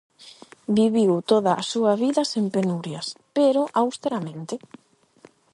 Viviu toda a súa vida sen penurias, pero austeramente.